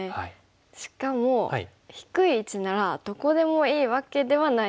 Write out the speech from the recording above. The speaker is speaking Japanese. しかも低い位置ならどこでもいいわけではないんですよね。